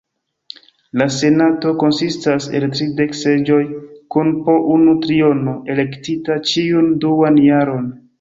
La Senato konsistas el tridek seĝoj, kun po unu triono elektita ĉiun duan jaron.